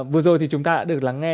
vừa rồi thì chúng ta đã được lắng nghe